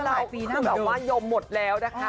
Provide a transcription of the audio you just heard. แล้วพวกเราคือเราว่ายมหมดแล้วนะคะ